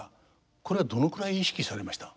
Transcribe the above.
これはどのくらい意識されました？